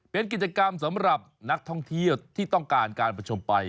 เป็นกิจกรรมสำหรับนักท่องเที่ยวที่ต้องการการประชุมไป